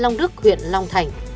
lông đức huyện long thành